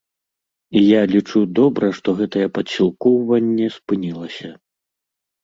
І я лічу, добра, што гэтае падсілкоўванне спынілася.